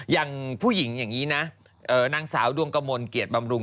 อย่างผู้หญิงอย่างนี้นะนางสาวดวงกมลเกียรติบำรุง